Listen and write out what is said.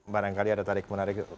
barangkali ada tarik menarik